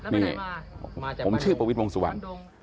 นี่ผมชื่อประวิทย์วงสุวรรณ